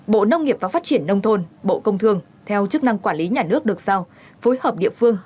bộ nông nghiệp và phát triển nông thôn bộ công thương theo chức năng quản lý nhà nước được sao phối hợp địa phương